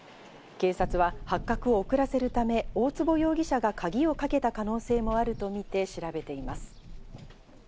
警察は発覚を遅らせるため大坪容疑者が鍵をかけた可能性があるとみて調べています。